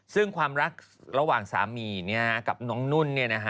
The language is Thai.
ซึ่งความรักระหว่างสามีกับน้องนุ่น